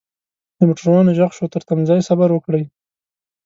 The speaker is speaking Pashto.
دموټروان ږغ شو ترتمځای صبروکړئ.